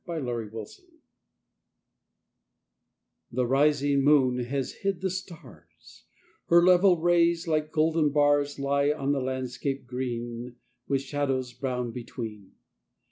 20 48 ENDMYION ENDYMION The rising moon has hid the stars ; Her level rays, like golden bars, Lie on the landscape green, With shadows brown between.